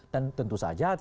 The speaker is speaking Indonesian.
dan tentu saja